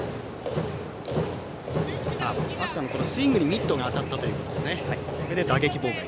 バッターのスイングにミットが当たったということで打撃妨害。